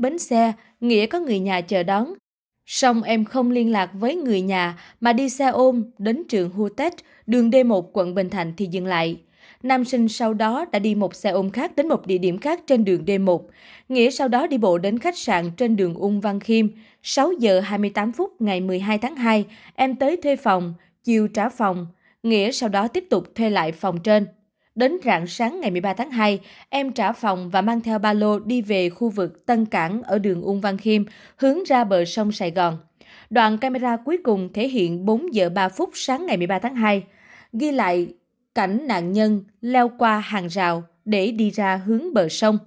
bằng camera cuối cùng thể hiện bốn giờ ba phút sáng ngày một mươi ba tháng hai ghi lại cảnh nạn nhân leo qua hàng rào để đi ra hướng bờ sông